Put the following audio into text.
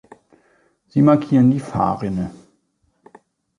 Sie markieren die Fahrrinne.